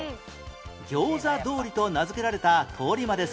餃子通りと名付けられた通りまで存在する